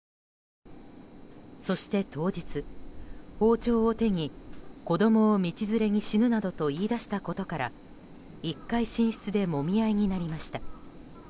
そして当日、包丁を手に子供を道連れに死ぬなどと言い出したことから、１階寝室でもみ合いになりました。